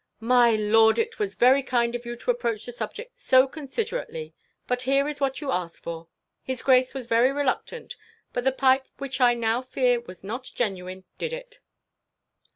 "My Lord, it was very kind of you to approach the subject so considerately, but here is what you ask for. His Grace was very reluctant, but the pipe, which I now fear was not genuine, did it."